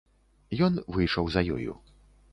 Ён выйшаў за ёю.